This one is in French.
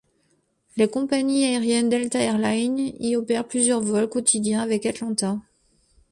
La compagnie aérienne Delta Air Lines y opère plusieurs vols quotidiens avec Atlanta.